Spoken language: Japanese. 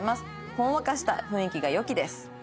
「ほんわかした雰囲気が良きです」。